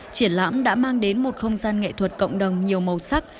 triển lãm đã mang đến một không gian nghệ thuật cộng đồng nhiều màu sắc